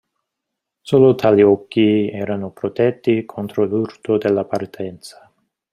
Solo tali occhi erano protetti contro l'urto della partenza.